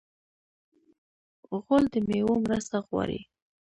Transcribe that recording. غول د میوو مرسته غواړي.